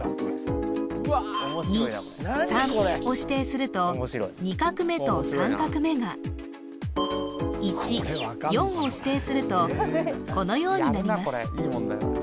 ２３を指定すると２画目と３画目が１４を指定するとこのようになります